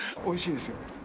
おいしいですよ。